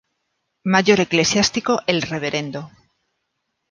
Mayor Eclesiástico, el Rvdo.